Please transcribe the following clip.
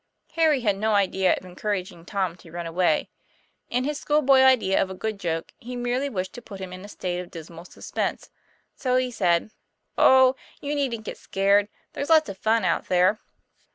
Harry had no idea of encouraging Tom to run away. In his school boy idea of a good joke, he merely wished to put him in a state of dismal sus pense. So he said: "Oh! you needn't get scared! There's lots of fun out there."